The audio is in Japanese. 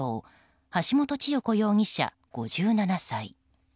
橋本千代子容疑者、５７歳。